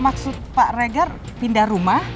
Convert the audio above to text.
maksud pak regar pindah rumah